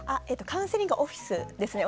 カウンセリングオフィスですね